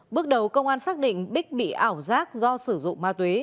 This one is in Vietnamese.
bước đầu công an xác định bích bị ảo giác do sử dụng ma túy